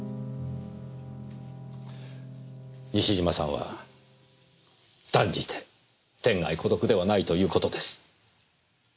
西島さんは断じて天涯孤独ではないという事です。